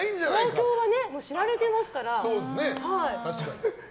東京は知られてますから。